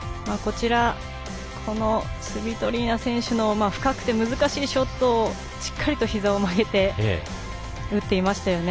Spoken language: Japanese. スビトリーナ選手の深くて難しいショットをしっかりとひざを曲げて打っていましたよね。